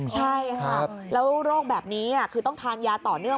ใช่ค่ะแล้วโรคแบบนี้คือต้องทานยาต่อเนื่อง